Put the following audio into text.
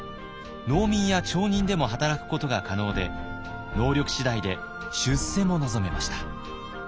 農民や町人でも働くことが可能で能力次第で出世も望めました。